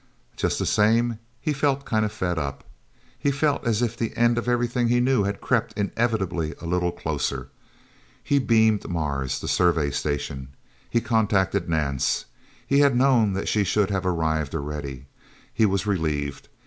Just the same, he felt kind of fed up. He felt as if the end of everything he knew had crept inevitably a little closer. He beamed Mars the Survey Station. He contacted Nance. He had known that she should have arrived already. He was relieved.